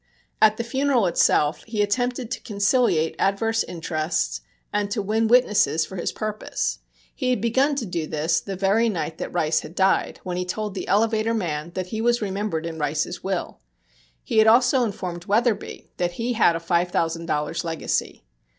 At the funeral itself he attempted to conciliate adverse interests and to win witnesses for his purpose. He had begun to do this the very night that Rice had died, when he told the elevator man that he was remembered in Rice's will. He had also informed Wetherbee that he had a five thousand dollars' legacy.